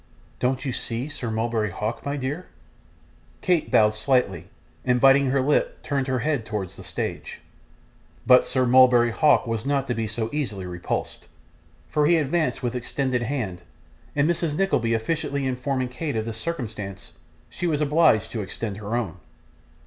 'Don't you see Sir Mulberry Hawk, my dear?' Kate bowed slightly, and biting her lip turned her head towards the stage. But Sir Mulberry Hawk was not to be so easily repulsed, for he advanced with extended hand; and Mrs. Nickleby officiously informing Kate of this circumstance, she was obliged to extend her own.